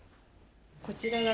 こちらが。